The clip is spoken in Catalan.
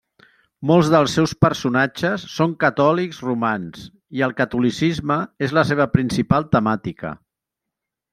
Molts dels seus personatges són catòlics romans i el catolicisme és la seva principal temàtica.